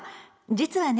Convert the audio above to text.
実はね